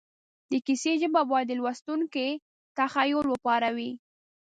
د کیسې ژبه باید د لوستونکي تخیل وپاروي